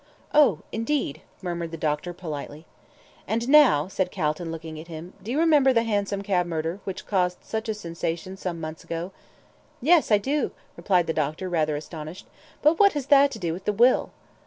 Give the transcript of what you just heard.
"Oh, indeed," murmured the doctor, politely. "And now," said Calton, looking at him, "do you remember the hansom cab murder, which caused such a sensation some months ago?" "Yes, I do," replied the doctor, rather astonished; "but what has that to do with the will?"